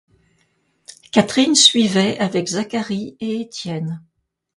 Catherine suivait avec Zacharie et Étienne.